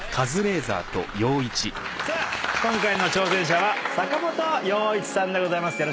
さあ今回の挑戦者は坂本陽一さんでございます。